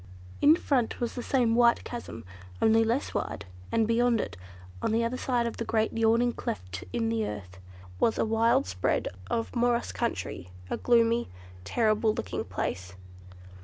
In front was the same wide chasm, only less wide, and beyond it, on the other side of the great yawning cleft in the earth, was a wild spread of morass country—a gloomy, terrible looking place.